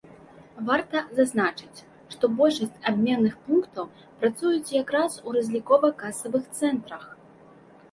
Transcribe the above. Варта зазначыць, што большасць абменных пунктаў працуюць якраз у разлікова-касавых цэнтрах.